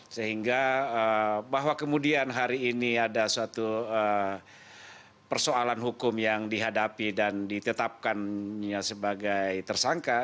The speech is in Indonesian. sehingga bahwa kemudian hari ini ada suatu persoalan hukum yang dihadapi dan ditetapkannya sebagai tersangka